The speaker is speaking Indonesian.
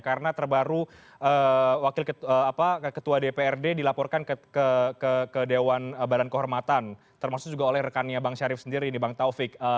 karena terbaru wakil ketua dprd dilaporkan ke dewan badan kehormatan termasuk juga oleh rekannya bang syarif sendiri bang taufik